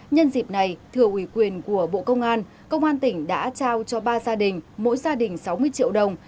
nhân dịp này thừa ủy quyền của bộ công an công an tỉnh đã trao cho ba gia đình mỗi gia đình sáu mươi triệu đồng